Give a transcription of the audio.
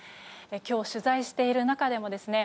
今日、取材している中でもですね